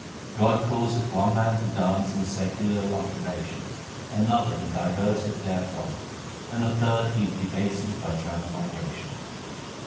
God causeth one man to dance in secular occupations, another He diverteth therefrom, and a third He debaseth by transmigration.